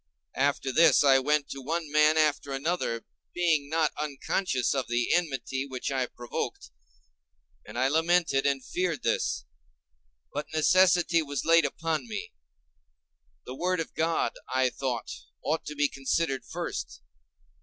After this I went to one man after another, being not unconscious of the enmity which I provoked, and I lamented and feared this: but necessity was laid upon me—the word of God, I thought, ought to be considered first.